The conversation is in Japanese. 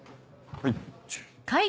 はい。